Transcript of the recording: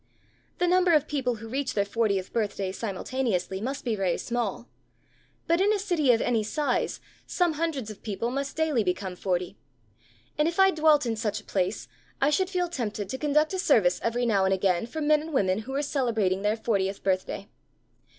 The number of people who reach their fortieth birthday simultaneously must be very small. But in a city of any size some hundreds of people must daily become forty. And if I dwelt in such a place, I should feel tempted to conduct a service every now and again for men and women who were celebrating their fortieth birthday.